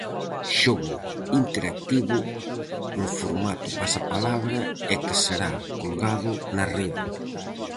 Xogo interactivo, en formato Pasapalabra e que será colgado na Rede.